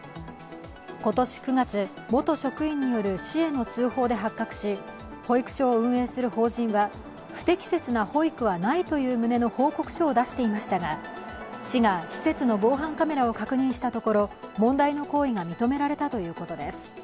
今年９月、元職員による市への通報で発覚し保育所を運営する法人は不適切な保育はないという旨の報告書を出していましたが市が施設の防犯カメラを確認したところ、問題の行為が認められたということです。